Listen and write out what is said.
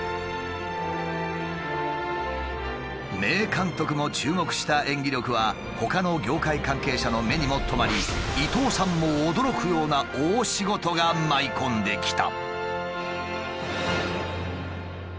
名監督も注目した演技力はほかの業界関係者の目にも留まり伊東さんも驚くような大仕事が舞い込んできた。